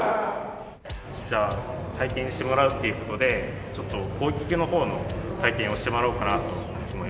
じゃあ体験してもらうっていう事でちょっと攻撃の方の体験をしてもらおうかなと思います。